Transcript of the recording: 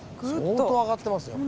相当上がってますよこれ。